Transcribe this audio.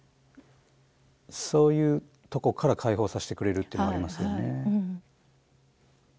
そういうとこから解放させてくれるっていうのもありますよね。